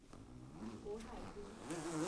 胡海滨。